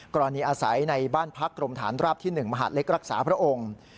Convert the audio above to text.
กรณีอาศัยในบ้านพักกรมฐานราบที่๑มหลักศาพระองค์